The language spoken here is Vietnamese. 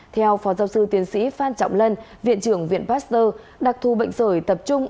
theo phó giáo sư tiến sĩ phan trọng lân viện trưởng viện pasteur đặc thu bệnh sởi tập trung